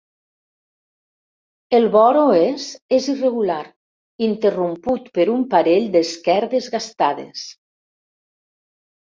El bord oest és irregular, interromput per un parell d'esquerdes gastades.